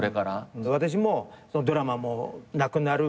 私もドラマもなくなる。